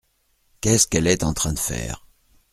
Qu’est-ce qu’elle est en train de faire ?